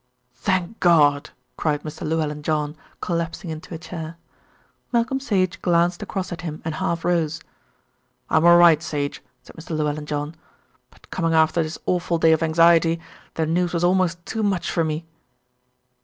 "Thank God!" cried Mr. Llewellyn John, collapsing into a chair. Malcolm Sage glanced across at him and half rose. "I'm all right, Sage," said Mr. Llewellyn John; "but coming after this awful day of anxiety, the news was almost too much for me."